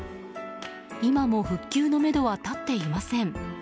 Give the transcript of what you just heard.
今も復旧のめどは立っていません。